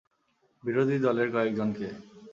বিরোধী দলের কয়েকজনকে!